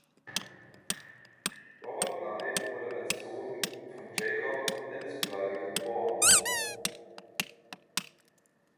Robert Bly wurde als Sohn von Jacob und Alice Bly geboren.